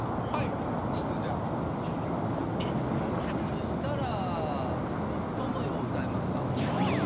そしたら『友よ』歌いますか。